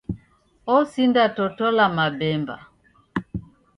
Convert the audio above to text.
Osindatotola mabemba.